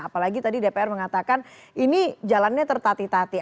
apalagi tadi dpr mengatakan ini jalannya tertatih tati